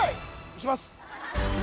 いきます